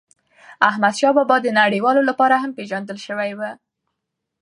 احمدشاه بابا د نړیوالو لپاره هم پېژندل سوی و.